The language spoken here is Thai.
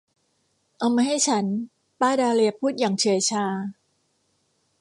เอามาให้ฉัน ป้าดาเลียพูดอย่างเฉื่อยชา